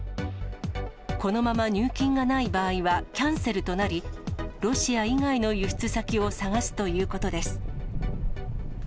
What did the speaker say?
このまま入金がない場合はキャンセルとなり、ロシア以外の輸出先を探すということです。